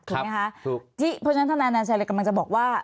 เพราะฉะนั้นท่านนานชัยกำลังจะบอกว่า